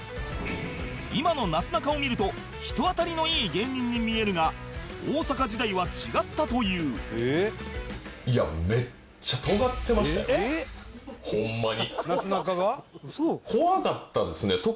今のなすなかを見ると人当たりのいい芸人に見えるが大阪時代は違ったというホンマに。